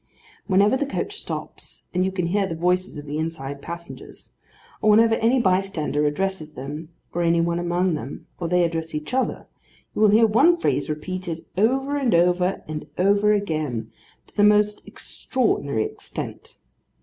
Whenever the coach stops, and you can hear the voices of the inside passengers; or whenever any bystander addresses them, or any one among them; or they address each other; you will hear one phrase repeated over and over and over again to the most extraordinary extent.